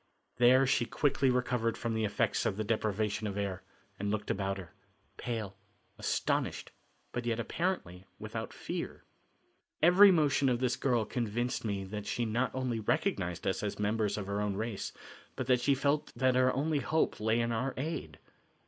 There she quickly recovered from the effects of the deprivation of air and looked about her, pale, astonished, but yet apparently without fear. Every motion of this girl convinced me that she not only recognized us as members of her own race, but that she felt that her only hope lay in our aid.